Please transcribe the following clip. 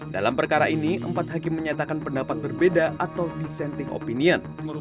dalam perkara ini empat hakim menyatakan pendapat berbeda atau dissenting opinion